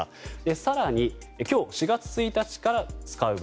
更に、今日４月１日から使う分